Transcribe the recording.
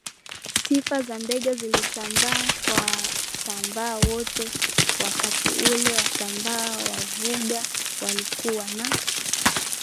Sifa za Mbegha zilisambaa kwa Wasambaa wote Wakati ule Wasambaa wa Vuga walikuwa na